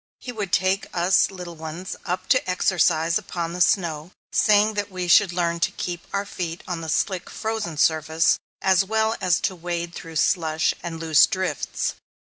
He would take us little ones up to exercise upon the snow, saying that we should learn to keep our feet on the slick, frozen surface, as well as to wade through slush and loose drifts.